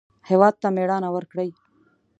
هېواد ته مېړانه ورکړئ